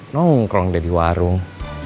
nongkrong deh di warung